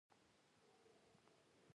لیکوال د اروايي ارتقا مفکوره وړاندې کوي.